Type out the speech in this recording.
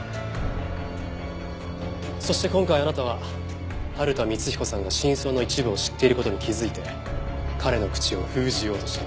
そして今回あなたは春田光彦さんが真相の一部を知っている事に気づいて彼の口を封じようとした。